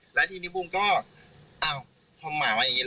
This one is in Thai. คือตอนนั้นหมากกว่าอะไรอย่างเงี้ย